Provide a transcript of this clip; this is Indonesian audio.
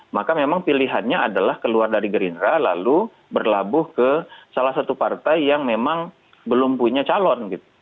maka memang pilihannya adalah keluar dari gerindra lalu berlabuh ke salah satu partai yang memang belum punya calon gitu